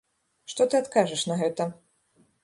Што ты адкажаш на гэта?